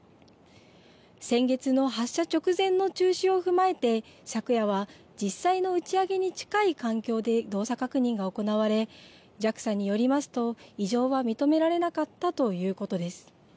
先月の発射直前の中止を踏まえて、昨夜は実際の打ち上げに近い環境で動作確認が行われ、ＪＡＸＡによりますと、異常は認められなかったということです。